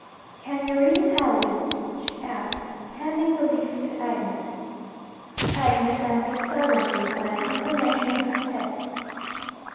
'Can you read Italian?' she asked, handing the leaf to Agnes. Agnes answered silently by an inclination of her head.